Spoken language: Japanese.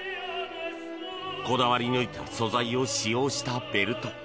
こだわり抜いた素材を使用したベルト。